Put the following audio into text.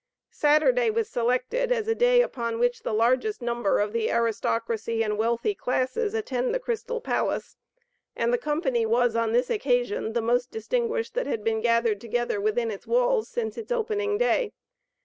Saturday was selected, as a day upon which the largest number of the aristocracy and wealthy classes attend the Crystal Palace, and the company was, on this occasion, the most distinguished that had been gathered together within its walls since its opening day.